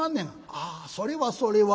「ああそれはそれは」。